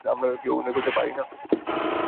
আমরা কী অভিনয় করতে পারি না?